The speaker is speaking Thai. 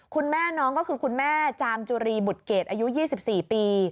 คุณแม่น้องก็คือคุณแม่จามจุรีบุตรเกรดอายุ๒๔ปี